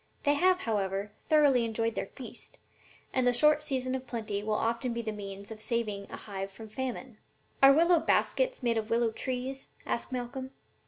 They have, however, thoroughly enjoyed their feast, and the short season of plenty will often be the means of saving a hive from famine.'" "Are willow baskets made of willow trees?" asked Malcolm.